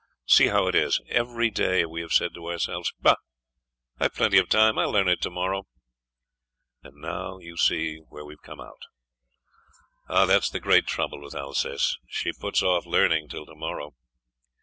See how it is! Every day we have said to ourselves: 'Bah! I've plenty of time. I'll learn it tomorrow.' And now you see where we've come out. Ah, that's the great trouble with Alsace; she puts off learning till tomorrow.